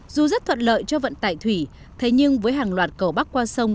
dù rất thuận lợi cho vận tải thủy thế nhưng với hàng loạt cầu bắc qua sông